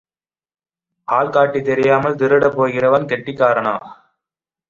ஆள் காட்டி தெரியாமல் திருடப் போகிறவன் கெட்டிக்காரனா?